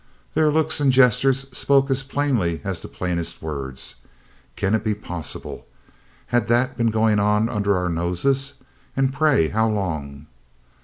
Their looks and gestures spoke as plainly as the plainest words: "Can it be possible? Has that been going on under our noses? And pray, how long?"